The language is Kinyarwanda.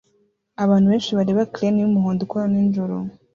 Abantu benshi bareba crane yumuhondo ikora nijoro